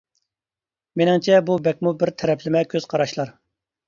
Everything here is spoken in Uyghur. مېنىڭچە بۇ بەكمۇ بىر تەرەپلىمە كۆز قاراشلار.